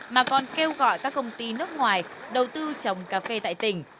mà còn kêu gọi các công ty nước ngoài đầu tư trồng cà phê tại tỉnh